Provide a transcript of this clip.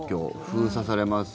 封鎖されます。